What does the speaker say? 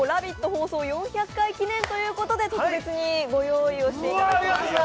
放送４００回記念ということで特別にご用意していただきました。